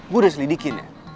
gue udah selidikin ya